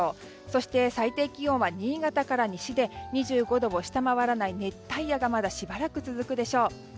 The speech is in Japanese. そして最低気温は新潟から西で２５度を下回らない熱帯夜がまだしばらく続くでしょう。